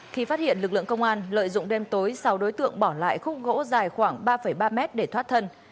khi phát hiện lực lượng công an lợi dụng đêm tối sau đối tượng bỏ lại khúc gỗ dài khoảng ba ba mét để thoát thân